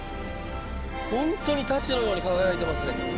ほんとに太刀のように輝いてますね。